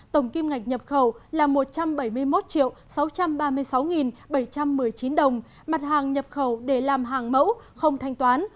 tổng kim ngạch nhập khẩu là một trăm bảy mươi một sáu trăm ba mươi sáu bảy trăm một mươi chín đồng mặt hàng nhập khẩu để làm hàng mẫu không thanh toán